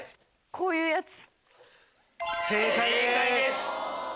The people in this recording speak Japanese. こういうやつ。